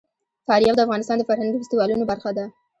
فاریاب د افغانستان د فرهنګي فستیوالونو برخه ده.